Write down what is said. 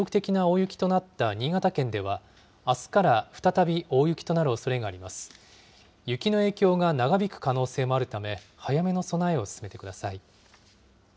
雪の影響が長引く可能性もあるため、早めの備えを進めてください。